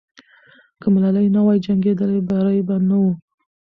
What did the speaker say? که ملالۍ نه وای جنګېدلې، بری به نه وو.